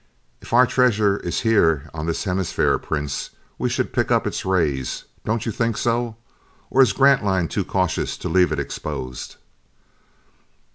"If our treasure is here on this hemisphere, Prince, we should pick up its rays. Don't you think so? Or is Grantline too cautious to leave it exposed?"